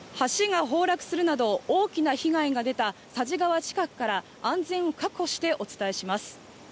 橋が崩落するなど、大きな被害が出た佐治川近くから安全を確保してお伝えします。